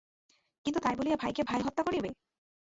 কিন্তু তাই বলিয়া ভাইকে ভাই হত্যা করিবে!